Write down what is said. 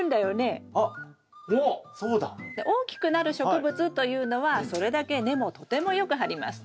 大きくなる植物というのはそれだけ根もとてもよく張ります。